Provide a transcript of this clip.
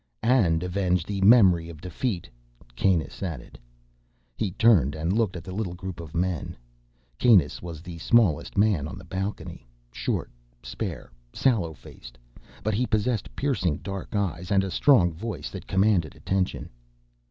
"And avenge the memory of defeat," Kanus added. He turned and looked at the little group of men. Kanus was the smallest man on the balcony: short, spare, sallow faced; but he possessed piercing dark eyes and a strong voice that commanded attention.